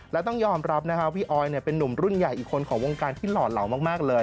และต้องยอมรับพี่ออยเป็นนุ่มรุ่นใหญ่อีกคนของวงการที่หล่อเหลามากเลย